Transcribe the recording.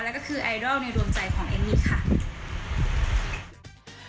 แล้วก็คือไอดอลในดวงใจของเอมมี่ค่ะ